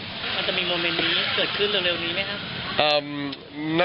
มันจะมีโมเมนต์นี้เกิดขึ้นเร็วนี้ไหมครับ